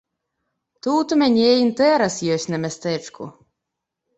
Тут у мяне інтэрас ёсць на мястэчку.